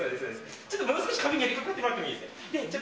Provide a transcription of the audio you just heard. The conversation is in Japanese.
ちょっともう少し壁に寄りかかってもらっていいですか。